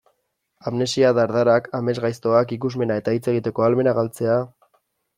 Amnesia, dardarak, amesgaiztoak, ikusmena eta hitz egiteko ahalmena galtzea...